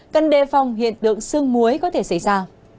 cần đề phòng hiện tượng sương muối có thể xảy ra